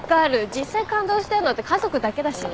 実際感動してんのって家族だけだしね。